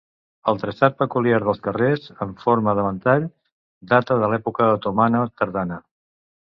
El traçat peculiar dels carrers, en forma de ventall, data de l'etapa otomana tardana.